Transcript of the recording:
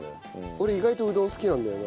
俺意外とうどん好きなんだよな。